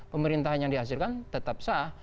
pemerintahan yang dihasilkan tetap sah